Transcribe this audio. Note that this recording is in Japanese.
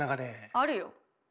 あるよ。